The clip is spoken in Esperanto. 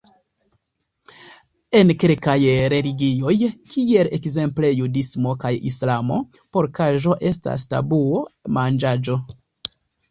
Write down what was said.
En kelkaj religioj, kiel ekzemple judismo kaj Islamo, porkaĵo estas tabuo-manĝaĵo.